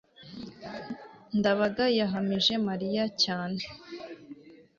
ndabaga yahamije mariya cyane